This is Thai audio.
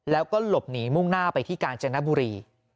แล้วก็หลบหนีมุ่งหน้าไปที่กาญจนบุรี